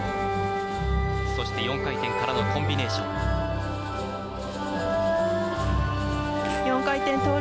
そして４回転からのコンビネーション。